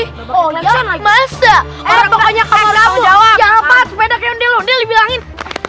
oh ya masa orang pokoknya kalau jawab yang apa sepeda keonde lo lebih angin